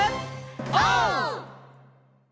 オー！